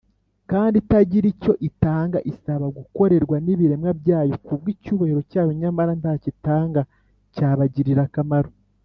kandi itagira icyo itanga, isaba gukorerwa n’ibiremwa byayo kubwo icyubahiro cyayo, nyamara ntacyo itanga cyabagirira akamaro